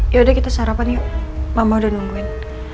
yaudah kita sarapan yuk mama udah nungguin